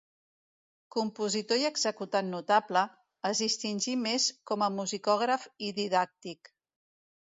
Compositor i executant notable, es distingí més com a musicògraf i didàctic.